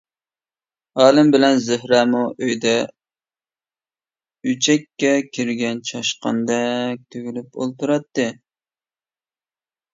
ئالىم بىلەن زۆھرەمۇ ئۆيىدە ئۈچەككە كىرگەن چاشقاندەك تۈگۈلۈپ ئولتۇراتتى.